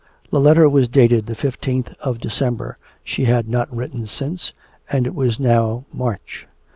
The letter was dated the fifteenth of December, she had not written since, and it was now March.